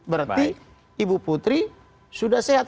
berarti ibu putri sudah sehat